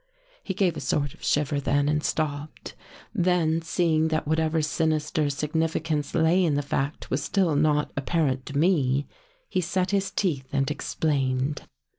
He gave a sort of shiver then and stopped. Then seeing that whatever sinister significance lay in the fact was still not apparent to me, he set his teeth and explained.